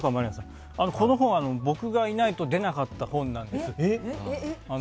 この本は僕がいないと出なかった本なんです。